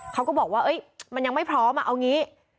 เขาก็บอกว่ามันยังไม่พร้อมเอางี้